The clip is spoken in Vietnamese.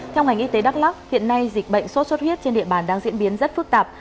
theo ngành y tế đắk lắk hiện nay dịch bệnh sốt xuất huyết trên địa bàn đang diễn biến rất phức tạp